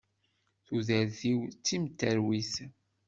Tudert-iw d timterwit.